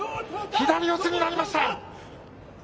左四つになりました。